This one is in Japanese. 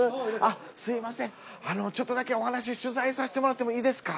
すいませんちょっとだけお話取材させてもらってもいいですか。